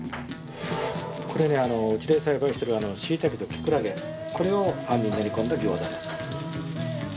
これねうちで栽培してるしいたけとキクラゲこれをあんに練り込んだ餃子です。